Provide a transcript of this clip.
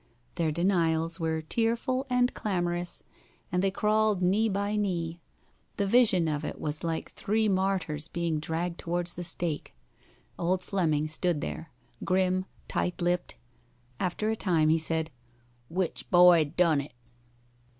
Their denials were tearful and clamorous, and they crawled knee by knee. The vision of it was like three martyrs being dragged towards the stake. Old Fleming stood there, grim, tight lipped. After a time he said, "Which boy done it?"